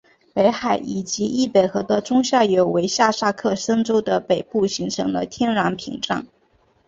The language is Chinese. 北海以及易北河的中下游为下萨克森州的北部形成了天然屏障。